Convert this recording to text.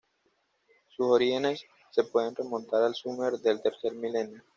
Sus orígenes se pueden remontar al Sumer del tercer milenio.